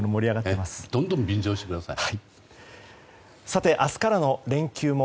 どんどん便乗してください。